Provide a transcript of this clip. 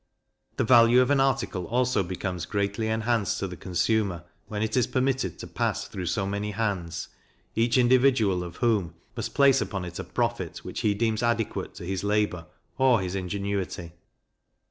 The value of an article also becomes greatly enhanced to the consumer, when it is permitted to pass through so many hands, each individual of whom must place upon it a profit which he deems adequate to his labour or his ingenuity.